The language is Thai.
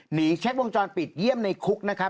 เช็ควงจรปิดเยี่ยมในคุกนะครับ